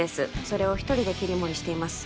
それを一人で切り盛りしています